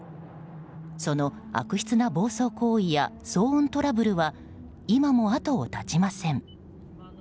その悪質な暴走行為や騒音トラブルは今も後を絶ちません。